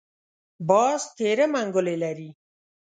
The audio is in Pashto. باز تېره منګولې لري